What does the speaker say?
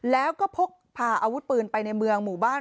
แล้วก็พกพาอาวุธปืนไปในเมืองหมู่บ้าน